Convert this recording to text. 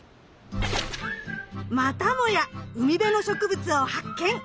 またもや海辺の植物を発見！